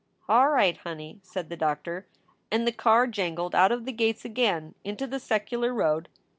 "All right, honey," said the doctor. And the car jangled out of the gates again into the secular road.